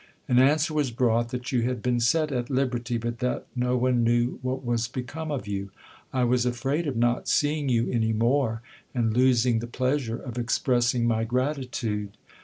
An answer was brought that you had been set at liberty, but that no one knew what was become of you. I was afraid of not seeing you any more, and losing the pleasure of expressing my gratitude.